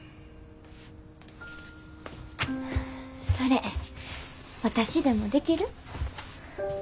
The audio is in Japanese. それ私でもできる？